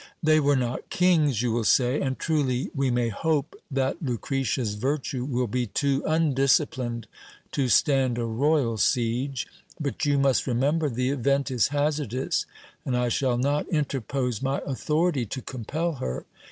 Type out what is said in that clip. They were not kings, you will say, and truly we may hope that Lucre tia's virtue will be too undisciplined to stand a royal siege ; but you must re member the event is hazardous, and I shall not interpose my authority to compel her.